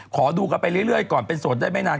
ขอดูกันไปเรื่อยก่อนเป็นโสดได้ไม่นาน